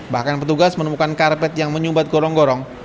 bahkan petugas menemukan karpet yang menyumbat gorong gorong